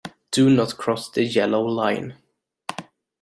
Do not cross the yellow line.